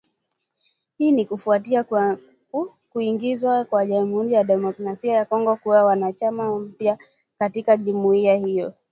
hii ni kufuatia kuingizwa kwa Jamhuri ya Kidemokrasi ya Kongo kuwa mwanachama mpya katika jumuiya hiyo